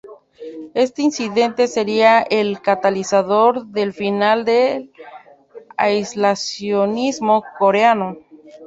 Este incidente sería el catalizador del final del aislacionismo coreano.